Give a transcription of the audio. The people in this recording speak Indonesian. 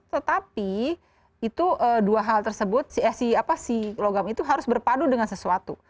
tetapi itu dua hal tersebut si logam itu harus berpadu dengan sesuatu